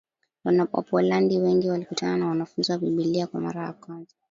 Wapolandi wengi walikutana na Wanafunzi wa Biblia kwa mara ya kwanza